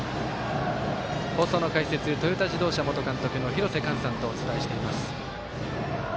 放送の解説、トヨタ自動車元監督廣瀬寛さんとお伝えしています。